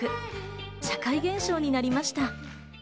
社会現象になりました。